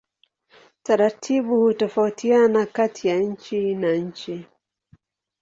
Taratibu hutofautiana kati ya nchi na nchi.